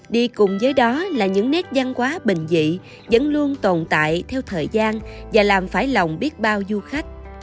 đi cùng với đó là những nét văn hóa bình dị vẫn luôn tồn tại theo thời gian và làm phải lòng biết bao du khách